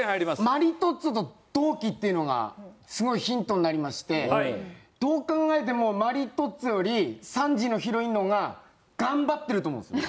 マリトッツォと同期っていうのがすごいヒントになりましてどう考えてもマリトッツォより３時のヒロインの方が頑張ってると思うんですよ。